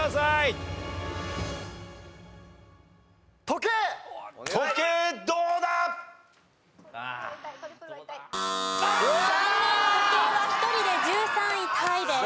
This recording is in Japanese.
時計は１人で１３位タイです。